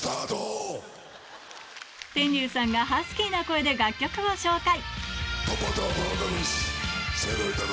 天龍さんがハスキーな声で楽曲を紹介